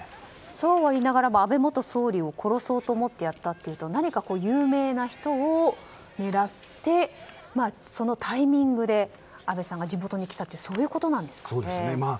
そうは言いながらも安倍元総理を殺そうと思ってやったというと何かこう有名な人を狙ってそのタイミングで安倍さんが地元に来たというそういうことなんですかね。